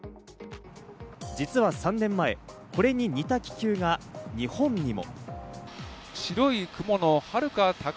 実は３年前、これに似た気球が、日本にも。